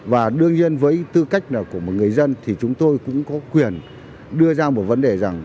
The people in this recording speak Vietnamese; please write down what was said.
và đương nhiên với tư cách là của một người dân thì chúng tôi cũng có quyền đưa ra một vấn đề rằng